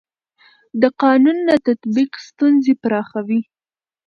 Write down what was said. د قانون نه تطبیق ستونزې پراخوي